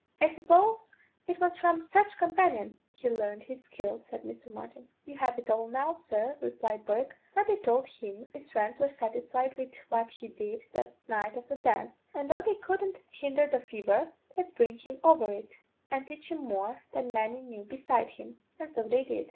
"I suppose it was from some such companion he learned his skill," said Mr. Martin. "You have it all now, sir," replied Bourke. "Darby told him his friends were satisfied with what he did the night of the dance; and though they couldn't hinder the fever, they'd bring him over it, and teach him more than many knew beside him. And so they did.